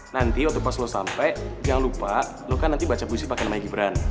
nanti waktu pas lo sampe jangan lupa lo kan nanti baca puisi pake nama ibran